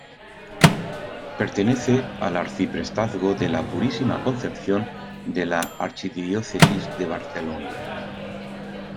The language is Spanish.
Pertenece al arciprestazgo de la Purísima Concepción de la Archidiócesis de Barcelona.